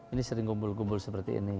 ini sering kumpul kumpul seperti ini